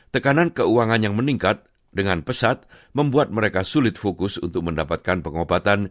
tekanan keuangan yang meningkat dengan pesat membuat mereka sulit fokus untuk mendapatkan pengobatan